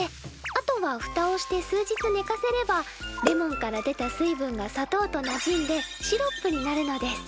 あとはフタをして数日ねかせればレモンから出た水分が砂糖となじんでシロップになるのです。